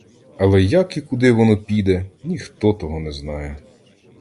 Але як і куди воно піде — ніхто того не знає.